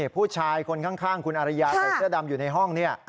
ผู้ชายคนข้างคุณอารยาใส่เสื้อดำอยู่ในห้อง